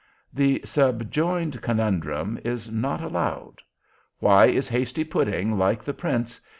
The subjoined Conundrum is not allowed: Why is Hasty Pudding like the Prince?